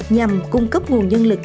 nhằm cung cấp nguồn nhân lực